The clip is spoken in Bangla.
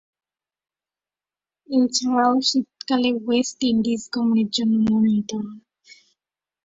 এছাড়াও, শীতকালে ওয়েস্ট ইন্ডিজ গমনের জন্য মনোনীত হন।